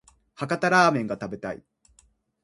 博多ラーメンが食べたい